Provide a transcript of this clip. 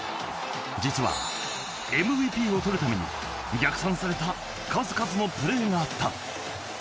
実は、ＭＶＰを取るために逆算された数々のプレーがあった。